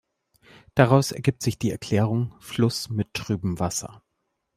Daraus ergibt sich die Erklärung: "Fluss mit trübem Wasser".